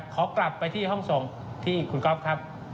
ขอกลับไปที่ห้องส่งที่คุณก๊อฟครับ